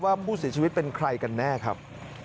ว่าผู้เสียชีวิตเป็นใครกันแน่ครับ